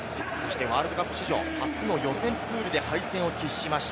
そしてワールドカップ史上初の予選プールで敗戦を喫しました